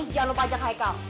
jangan lupa ajak haikal